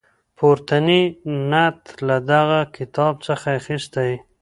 پورتنی نعت له دغه کتاب څخه اخیستی.